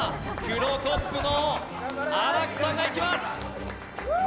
クロコップの荒木さんがいきます。